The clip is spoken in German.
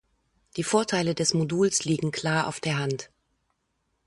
Die Vorteile des Moduls liegen klar auf der Hand.